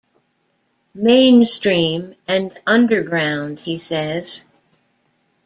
Mainstream and Underground, he says.